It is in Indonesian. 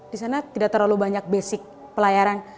di sana tidak terlalu banyak basic pelayaran